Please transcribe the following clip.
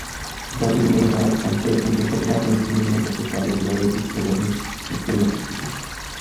Xavi, Neymar, Sanchez নিজেদের শতভাগ নৈপুণ্যে কাল একেবারেই বুঝতে দেননি মেসির অনুপস্থিতি।